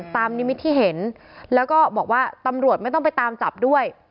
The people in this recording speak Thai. ตามนิมิตที่เห็นแล้วก็บอกว่าตำรวจไม่ต้องไปตามจับด้วย